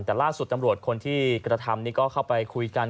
แต่ล่าสุดตำรวจคนที่กระทำนี้ก็เข้าไปคุยกัน